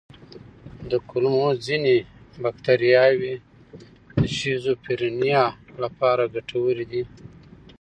د کولمو ځینې بکتریاوې د شیزوفرینیا لپاره ګټورې دي.